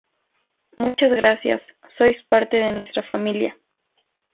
Muchas gracias, sois parte de nuestra familia"".